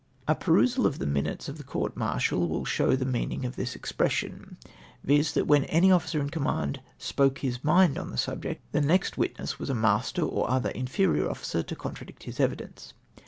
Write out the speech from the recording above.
A perusal of the minutes of the court inartial will show the meaning of this expression, viz. that when any oflicer in command spoke his mind on the subject, the next witness was a master or other inferior officer to contradict his evidence.